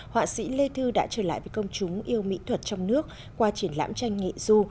họa sĩ lê thư đã trở lại với công chúng yêu mỹ thuật trong nước qua triển lãm tranh nghệ du